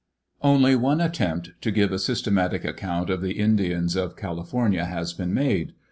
Only one attempt to give a systematic account of the Indians of California has been made.